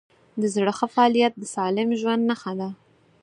د زړه ښه فعالیت د سالم ژوند نښه ده.